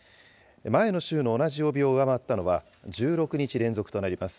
前の週の同じ曜日を上回ったのは１６日連続となります。